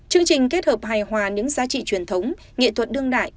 chương trình kết hợp hài hòa những giá trị truyền thống nghệ thuật đương đại